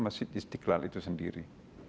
masjid istiqlal itu sendiri